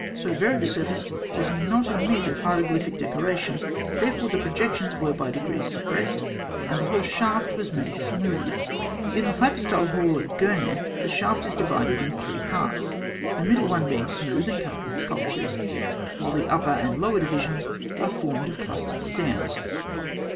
So varied a surface does not admit of hieroglyphic decoration; therefore the projections were by degrees suppressed, and the whole shaft was made smooth. In the hypostyle hall at Gûrneh, the shaft is divided in three parts, the middle one being smooth and covered with sculptures, while the upper and lower divisions are formed of clustered stems.